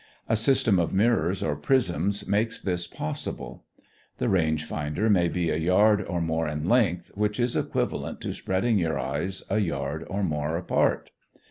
A system of mirrors or prisms makes this possible. The range finder may be a yard or more in length, which is equivalent to spreading your eyes a yard or more apart.